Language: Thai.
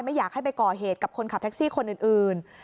ไม่อยากให้ไปก่อเหตุกับคนขับแท็กซี่คนอื่น